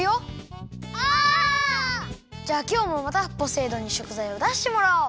じゃあきょうもまたポセイ丼にしょくざいをだしてもらおう！